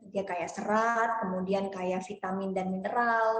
dia kaya serat kemudian kaya vitamin dan mineral